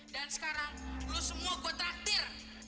dan sekarang lu semua gua traktir